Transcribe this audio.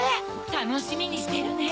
たのしみにしてるね。